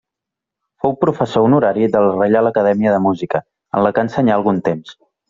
Fou professor honorari de la Reial Acadèmia de Música, en la que ensenyà algun temps.